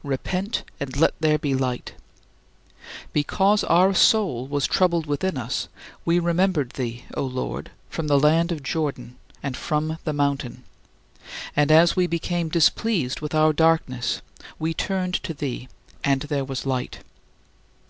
" Repent, and let there be light. Because our soul was troubled within us, we remembered thee, O Lord, from the land of Jordan, and from the mountain and as we became displeased with our darkness we turned to thee, "and there was light."